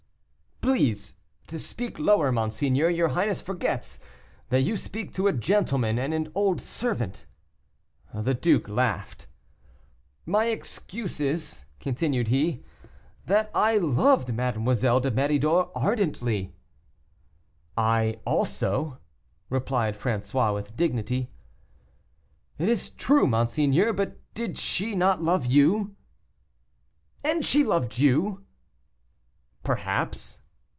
"Please to speak lower, monseigneur; your highness forgets, that you speak to a gentleman and an old servant." The duke laughed. "My excuse is," continued he, "that I loved Mademoiselle de Méridor ardently." "I, also," replied François, with dignity. "It is true, monseigneur; but she did not love you." "And she loved you?" "Perhaps."